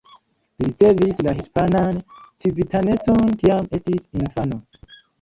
Li ricevis la hispanan civitanecon kiam estis infano.